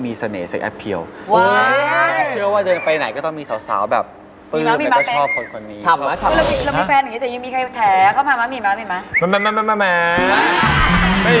มันมีอะไรมันไม่มีอะไรอย่าทำให้มีอะไร